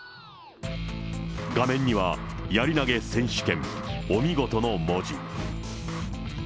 画面にはやり投げ選手権、おみごとの文字。